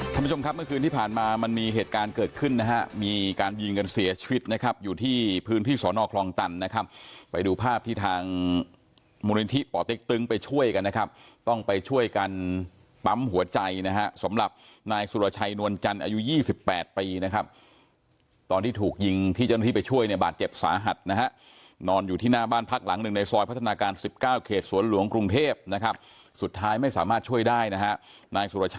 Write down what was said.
ท่านผู้ชมครับเมื่อคืนที่ผ่านมามันมีเหตุการณ์เกิดขึ้นนะฮะมีการยิงกันเสียชีวิตนะครับอยู่ที่พื้นที่สอนอคลองตันนะครับไปดูภาพที่ทางมูลนินทิปอติ๊กตึงไปช่วยกันนะครับต้องไปช่วยกันปั๊มหัวใจนะฮะสำหรับนายสุรชัยนวลจันอายุยี่สิบแปดปีนะครับตอนที่ถูกยิงที่เจ้าหน้าที่ไปช่วยเนี่ยบ